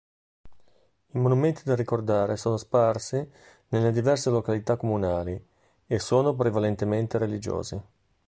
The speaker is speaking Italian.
I monumenti da ricordare sono sparsi nelle diverse località comunali e sono prevalentemente religiosi.